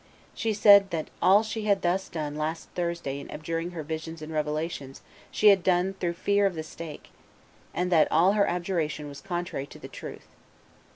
She said that all she had thus done last Thursday in abjuring her visions and revelations she had done through fear of the stake, and that all her abjuration was contrary to the truth.